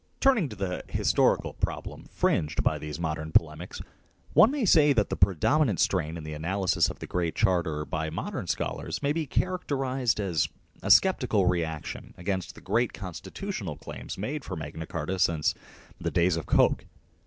39 79 Turning to the historical problem fringed by these modern polemics one may say that the predominant strain in the analysis of the Great Charter by modern scholars may be characterized as a sceptical reaction against the great constitutional claims made for Magna Carta since the days of Coke.